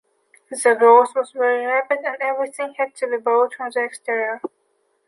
The growth was very rapid and everything had to be brought from the exterior.